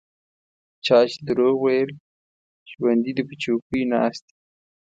چا چې دروغ ویل ژوندي دي په چوکیو ناست دي.